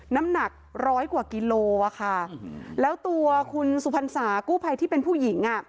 น้ำหนักร้อยกว่ากิโลอ่ะค่ะแล้วตัวคุณสุพรรษากู้ภัยที่เป็นผู้หญิงอ่ะ